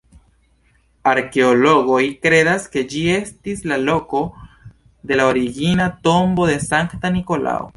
Arkeologoj kredas ke ĝi estis la loko de la origina tombo de Sankta Nikolao.